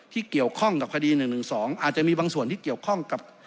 ที่เกี่ยวข้องกับคดี๑๑๒อาจจะมีบางส่วนที่เกี่ยวข้องกับ